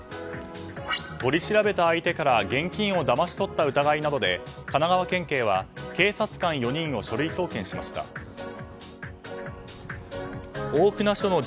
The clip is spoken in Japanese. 取り調べた相手から現金をだまし取った疑いなどで神奈川県警は警察官４人を書類送検しました。